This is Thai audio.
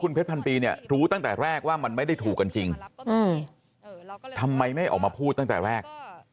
เพชรพันปีเนี่ยรู้ตั้งแต่แรกว่ามันไม่ได้ถูกกันจริงทำไมไม่ออกมาพูดตั้งแต่แรก